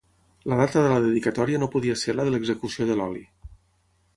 La data de la dedicatòria no podia ser la de l'execució de l'oli.